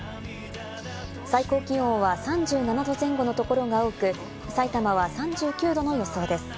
最高気温は３７度前後のところが多く、さいたまは３９度の予想です。